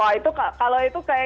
oh itu kalau itu kayaknya